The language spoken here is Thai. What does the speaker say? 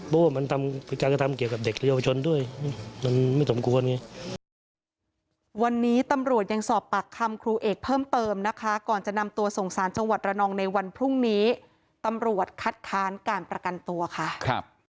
เพราะว่ามันทำการกระทำเกี่ยวกับเด็กและเยาวชนด้วยมันไม่สมควร